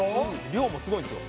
量もすごいんすよ